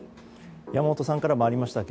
山本さんからもありましたが